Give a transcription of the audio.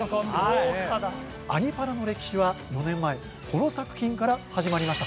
「アニ×パラ」の歴史は４年前この作品から始まりました。